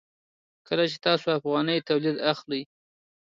کله چې تاسو افغاني تولید اخلئ.